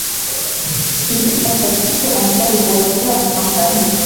Muziki wa kizazi kipya unahitaji kuwekewa mipango thabiti